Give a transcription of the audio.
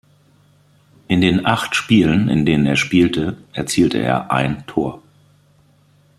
In den acht Spielen, in denen er spielte, erzielte er ein Tor.